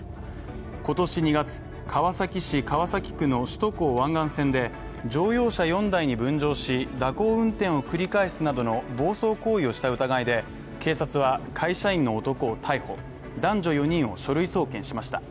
今年２月、川崎市川崎区の首都高湾岸線で、乗用車４台に分乗し、蛇行運転を繰り返すなどの暴走行為をした疑いで、警察は会社員の男を逮捕、男女４人を書類送検しました。